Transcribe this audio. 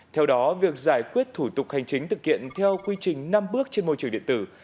theo đó việc giải quyết thủ tục hành chính thực hiện theo quy trình năm bước trên môi trường điện tử